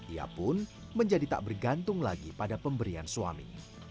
ia pun menjadi tak bergantung lagi pada pemberian suami